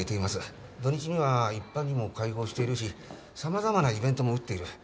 土日には一般にも開放しているし様々なイベントも打っている。